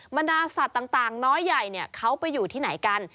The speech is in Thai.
บรรดาสัตว์ต่างน้อยใหญ่เขาไปอยู่ที่ไหนกัน